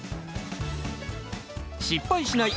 失敗しない！